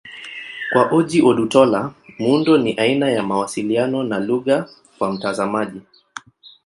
Kwa Ojih Odutola, muundo ni aina ya mawasiliano na lugha kwa mtazamaji.